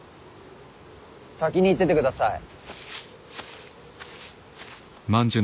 先に行っててください。